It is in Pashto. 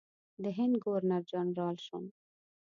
د هند ګورنر جنرال شوم.